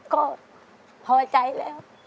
ก็พอใจแล้ว